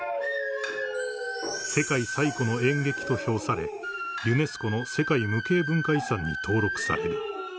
［世界最古の演劇と評されユネスコの世界無形文化遺産に登録される］